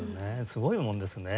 すごいもんですね。